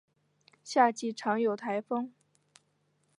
夏季常有台风。